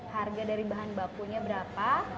harga dari bahan bakunya berapa